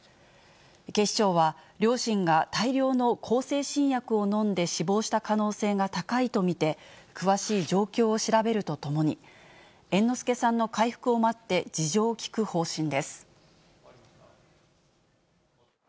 警視庁は、両親が大量の向精神薬を飲んで死亡した可能性が高いと見て、詳しい状況を調べるとともに、猿之助さんの回復を待って事情を聴く方針です。